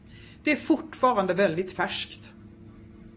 Det är fortfarande väldigt färskt.